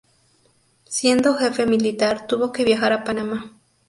Siendo jefe militar, tuvo que viajar a Panamá.